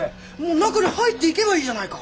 中に入っていけばいいじゃないか。